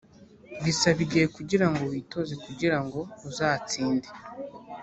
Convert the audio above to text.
bisaba igihe kugira ngo witoze kugira ngo uzatsinde